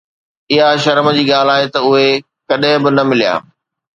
اها شرم جي ڳالهه آهي ته اهي ڪڏهن به نه مليا